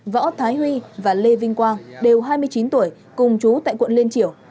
võ thái huy và lê vinh quang đều hai mươi chín tuổi cùng chú tại quận liên triều